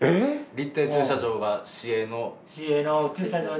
立体駐車場が市営の。